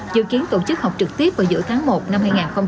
dự kiến tổ chức học trực tiếp vào giữa tháng một năm hai nghìn hai mươi